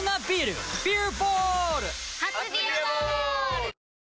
初「ビアボール」！